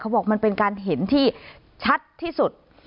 บอกมันเป็นการเห็นที่ชัดที่สุด